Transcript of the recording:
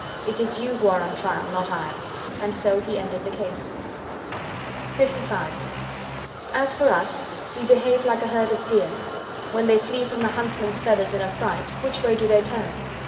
It is you who are on your trial, not I!"—And so he ended the case. LV As for us, we behave like a herd of deer. When they flee from the huntsman's feathers in affright, which way do they turn?